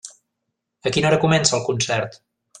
A quina hora comença el concert?